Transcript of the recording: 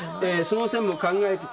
その線も考えて。